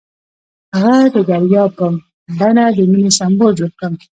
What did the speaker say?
هغه د دریاب په بڼه د مینې سمبول جوړ کړ.